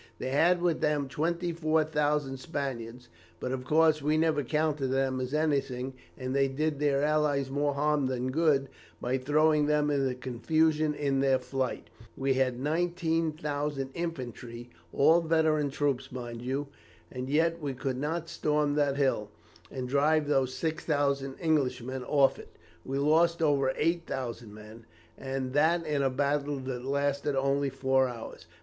They had with them 24,000 Spaniards, but, of course, we never counted them as anything, and they did their allies more harm than good by throwing them into confusion in their flight. We had 19,000 infantry, all veteran troops, mind you, and yet we could not storm that hill, and drive those 6000 Englishmen off it. We lost over 8000 men, and that in a battle that lasted only four hours.